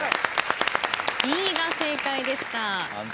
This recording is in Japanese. Ｂが正解でした。